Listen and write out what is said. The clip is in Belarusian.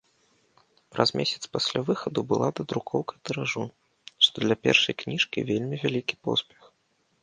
Праз месяц пасля выхаду была дадрукоўка тыражу, што для першай кніжкі вельмі вялікі поспех.